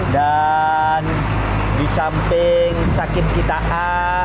dan di samping sakit kita a